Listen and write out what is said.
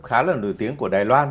khá là nổi tiếng của đài loan